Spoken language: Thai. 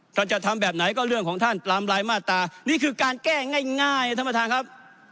จะทำแบบไหนก็เรื่องของท่านตามรายมาตรานี่คือการแก้ง่ายท่านประธานครับ